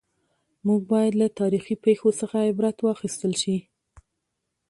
موږ باید له تاریخي پېښو څخه عبرت واخیستل شي.